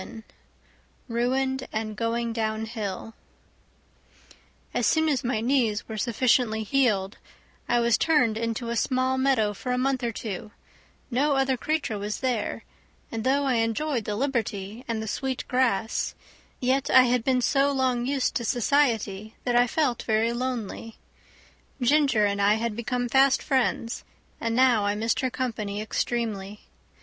27 Ruined and Going Downhill As soon as my knees were sufficiently healed I was turned into a small meadow for a month or two; no other creature was there; and though I enjoyed the liberty and the sweet grass, yet I had been so long used to society that I felt very lonely. Ginger and I had become fast friends, and now I missed her company extremely.